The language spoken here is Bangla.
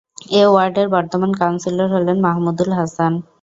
এ ওয়ার্ডের বর্তমান কাউন্সিলর হলেন মাহমুদুল হাসান।